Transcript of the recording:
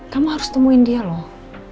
kamu harus temuin dia loh